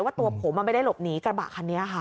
ว่าตัวผมไม่ได้หลบหนีกระบะคันนี้ค่ะ